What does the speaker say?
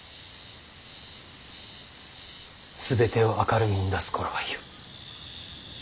全てを明るみに出す頃合いよ。